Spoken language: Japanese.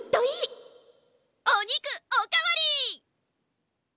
お肉お代わり！